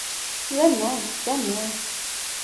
За мной, за мной.